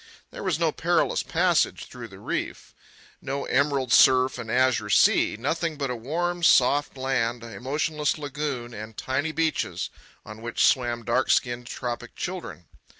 There was no perilous passage through the reef, no emerald surf and azure sea—nothing but a warm soft land, a motionless lagoon, and tiny beaches on which swam dark skinned tropic children.